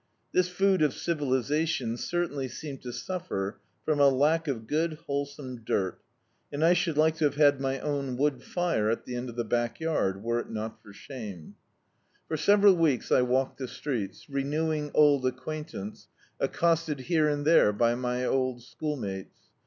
This food of civilisation certainly seemed to suffer from a lack of good wholesome dirt, and I should like to have had my own wood fire at the end of the back yard, were it not for shame. D,i.,.db, Google Off Again For several weeks I walked the streets, renewing old acquaintance, accosted here and there by my old school mates.